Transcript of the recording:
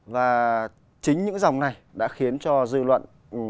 và chính những dòng này đã khiến cho dư luận